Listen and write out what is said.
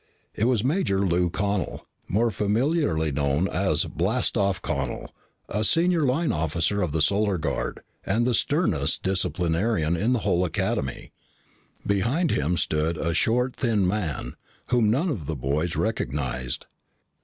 It was Major Lou Connel, more familiarly known as "Blast off" Connel, a Senior Line Officer of the Solar Guard and the sternest disciplinarian in the whole Academy. Behind him stood a short, thin man, whom none of the boys recognized.